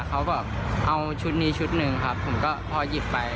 เขาแบบเอาชุดนี้ชุดหนึ่งครับผมก็พอหยิบไป